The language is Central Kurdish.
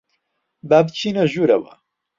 با بچینە ژوورەوە.